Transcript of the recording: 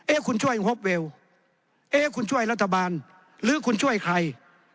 คุณช่วยงบเวลเอ๊ะคุณช่วยรัฐบาลหรือคุณช่วยใคร